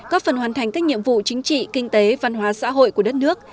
góp phần hoàn thành các nhiệm vụ chính trị kinh tế văn hóa xã hội của đất nước